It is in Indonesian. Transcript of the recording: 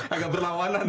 agak berlawanan ya